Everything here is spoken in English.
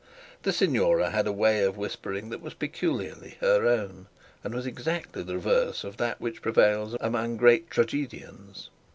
The signora had a way of whispering that was peculiarly her own, and was exactly the reverse of that which prevails among great tragedians.